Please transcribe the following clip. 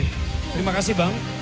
terima kasih bang